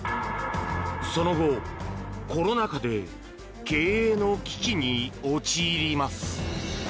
その後、コロナ禍で経営の危機に陥ります。